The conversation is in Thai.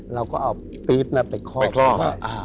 เราก็เอาปี๊บไปคอบไปแล้ว